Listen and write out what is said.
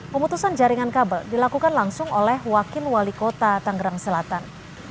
pemutusan jaringan kabel dilakukan langsung oleh wakil wali kota tanggerang selatan